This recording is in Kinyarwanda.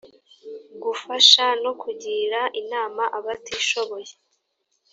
gufasha no kugira inama abatishoboye